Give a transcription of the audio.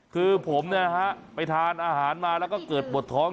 คือผมไปทานอาหารมาแล้วก็เกิดปวดท้อง